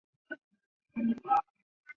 新安人。